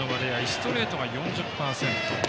ストレートが４０％。